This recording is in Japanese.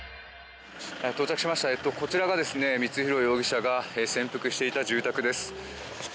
到着しましたこちらが光弘容疑者が潜伏していた住宅です。